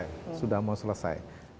ini sudah mau selesai